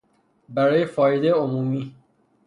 برای فایده عمومی